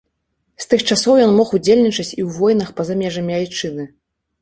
З тых часоў ён мог удзельнічаць і ў войнах па-за межамі айчыны.